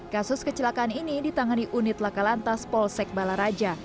kasus kecelakaan ini ditangani unit lakalantas polsek bala raja